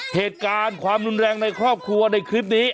เหตุการณ์ความรุนแรงในครอบครัวในคลิปนี้